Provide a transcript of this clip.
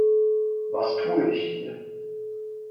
Was tue ich hier?